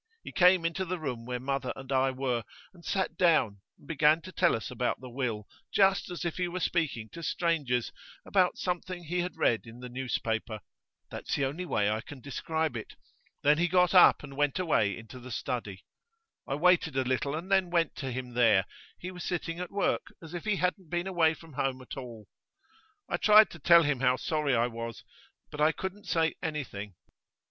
He came into the room where mother and I were, and sat down, and began to tell us about the will just as if he were speaking to strangers about something he had read in the newspaper that's the only way I can describe it. Then he got up and went away into the study. I waited a little, and then went to him there; he was sitting at work, as if he hadn't been away from home at all. I tried to tell him how sorry I was, but I couldn't say anything.